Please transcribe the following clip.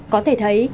có thể thấy